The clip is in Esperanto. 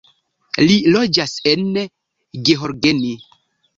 Li loĝas en Gheorgheni.